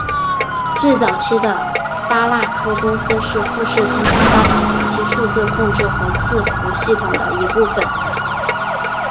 最早期的发那科公司是富士通开发的早期数字控制和伺服系统的一部分。